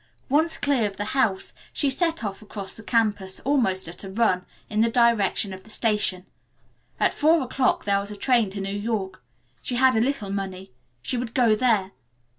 Once clear of the house she set off across the campus, almost at a run, in the direction of the station. At four o 'clock there was a train to New York. She had a little money. She would go there.